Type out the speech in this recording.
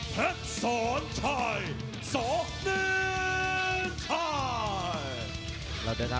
เผ็ดสวนไทยสวนินไทย